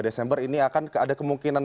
desember ini akan ada kemungkinan